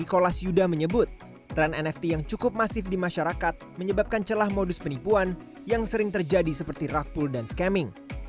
ikolas yuda menyebut tren nft yang cukup masif di masyarakat menyebabkan celah modus penipuan yang sering terjadi seperti rafful dan scamming